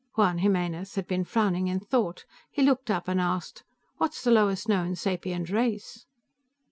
Juan Jimenez had been frowning in thought; he looked up and asked, "What's the lowest known sapient race?"